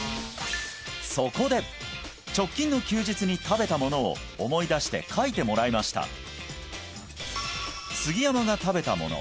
そこで直近の休日に食べたものを思い出して書いてもらいました杉山が食べたもの